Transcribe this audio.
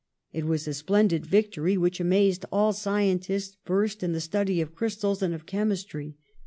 It was a splendid victory, which amazed all scientists versed in the study of crystals and of chemistry.